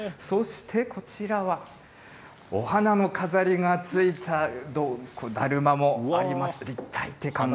そしてこちらは、お花の飾りがついただるまもあります。